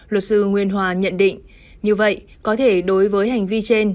luật sư nguyên hòa nhận định như vậy có thể đối với hành vi trên